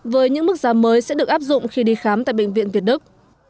với những mức giá mới sẽ được áp dụng khi đi khám tại bệnh viện việt đức